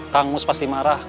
kang mus pasti marah